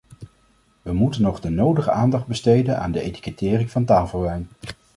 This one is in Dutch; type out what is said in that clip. We moeten nog de nodige aandacht besteden aan de etikettering van tafelwijn.